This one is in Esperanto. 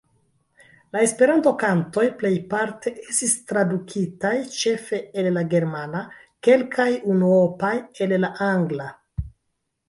La Esperanto-kantoj plejparte estis tradukitaj; ĉefe el la germana, kelkaj unuopaj el la angla.